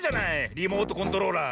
リモートコントローラー。